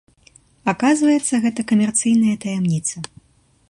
Аказваецца, гэта камерцыйная таямніца!